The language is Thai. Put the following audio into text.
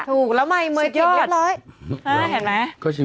ถูกเราใหม่เมืองเดียวสุดยอดเห็นไหม